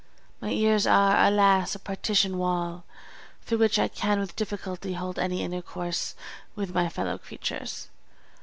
My ears are, alas! a partition wall, through which I can with difficulty hold any intercourse with my fellow creatures.